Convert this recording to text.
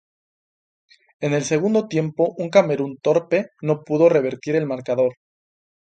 En el segundo tiempo un Camerún torpe no pudo revertir el marcador.